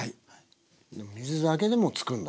水だけでもつくんだ。